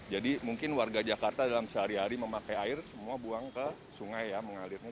jadi mungkin warga jakarta dalam sehari hari memakai air semua buang ke sungai ya mengalirnya